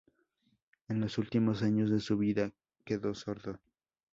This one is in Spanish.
En los últimos años de su vida quedó sordo.